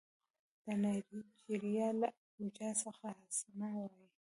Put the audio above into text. د نایجیریا له ابوجا څخه حسنه وايي